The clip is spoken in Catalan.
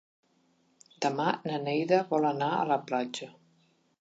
Demà na Neida vol anar a la platja.